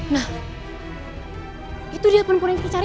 nah itu dia perempuan yang kita cari